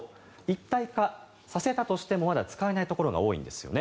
一体化させたとしてもまだ使えないところが多いんです。